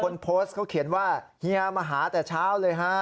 คนโพสต์เขาเขียนว่าเฮียมาหาแต่เช้าเลยฮะ